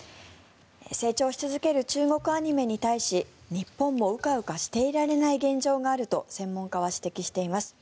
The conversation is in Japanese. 成長し続ける中国アニメに対し日本もうかうかしていられない現状があると専門家は指摘しています。